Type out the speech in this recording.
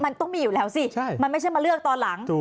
มันต้องมีอยู่แล้วสิมันไม่ใช่มาเลือกตอนหลัง